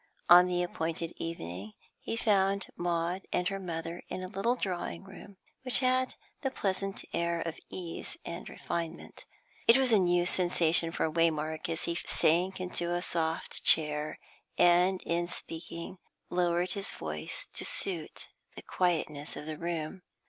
On the appointed evening, he found Maud and her mother in a little drawing room, which had a pleasant air of ease and refinement. It was a new sensation for Waymark as he sank into a soft chair, and, in speaking, lowered his voice, to suit the quietness of the room.